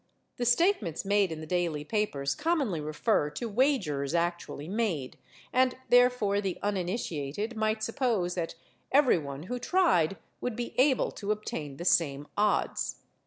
The statements made in the daily papers commonly refer to wagers actually made, and therefore the uninitiated might suppose that everyone who tried would be able to obtain the same odds.